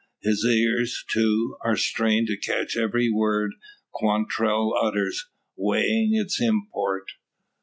His ears, too, are strained to catch every word Quantrell utters, weighing its import.